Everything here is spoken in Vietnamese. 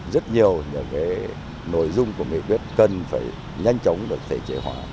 rất nhiều những nội dung của nghị quyết cần phải nhanh chóng được thể chế hóa